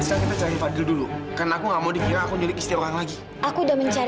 sekarang kak fadli lagi sama handara